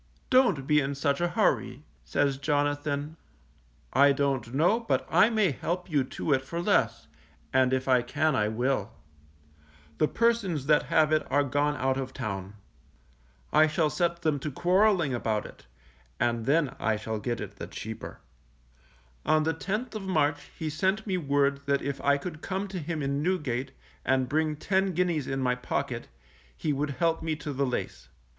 Don't be in such a hurry, says Jonathan, _I don't know but I may help you to it for less, and if I can I will; the persons that have it are gone out of town. I shall set them to quarrelling about it, and then I shall get it the cheaper._ On the 10th of March he sent me word that if I could come to him in Newgate, and bring ten guineas in my pocket, he would help me to the lace.